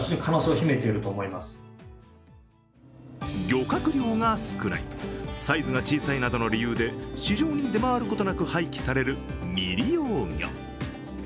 漁獲量が少ないサイズが小さいなどの理由で市場に出回ることなく廃棄される未利用魚。